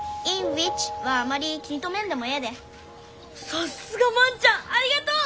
さすが万ちゃんありがとう！